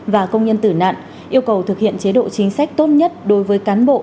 và công nhân tử nạn yêu cầu thực hiện chế độ chính sách tốt nhất đối với cán bộ